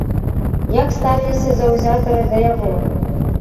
Як ставіліся заўзятары да яго?